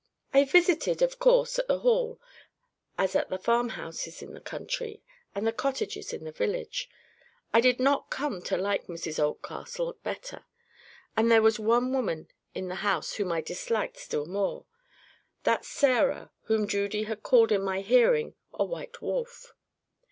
I visited, of course, at the Hall, as at the farmhouses in the country, and the cottages in the village. I did not come to like Mrs Oldcastle better. And there was one woman in the house whom I disliked still more: that Sarah whom Judy had called in my hearing a white wolf.